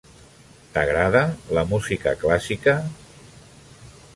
T'agrada la música clàssica?